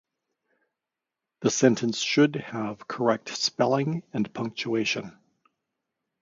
The sentence should have correct spelling and punctuation.